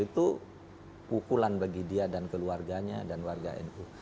itu pukulan bagi dia dan keluarganya dan warga nu